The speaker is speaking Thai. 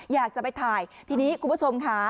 อยากจะไปถ่ายทีนี้คุณผู้ชมค่ะ